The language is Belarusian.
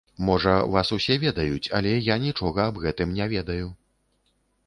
Можа, вас усе ведаюць, але я нічога аб гэтым не ведаю.